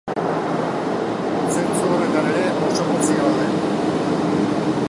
Zentzu horretan ere, oso pozik gaude.